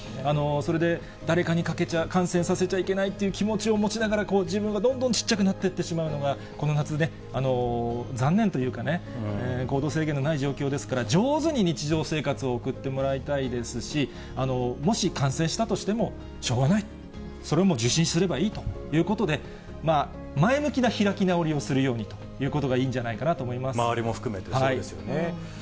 それで誰かに感染させちゃいけないっていう気持ちを持ちながら、自分がどんどんちっちゃくなっていってしまうのが、この夏ね、残念というかね、行動制限のない状況ですから、上手に日常生活を送ってもらいたいですし、もし感染したとしても、しょうがない、それはもう受診すればいいということで、前向きな開き直りをするようにということがいいんじゃないかなと周りも含めてそうですよね。